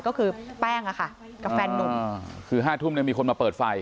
ก็คือแป้งอะค่ะกับแฟนนุ่มคือห้าทุ่มเนี่ยมีคนมาเปิดไฟ